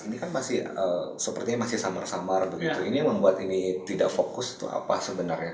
ini kan masih sepertinya masih samar samar begitu ini yang membuat ini tidak fokus itu apa sebenarnya